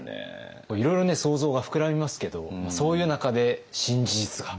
いろいろね想像が膨らみますけどそういう中で新事実が。